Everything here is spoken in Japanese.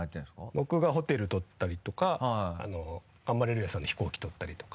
僕がホテル取ったりとかガンバレルーヤさんの飛行機取ったりとか。